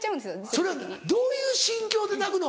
それはどういう心境で泣くの？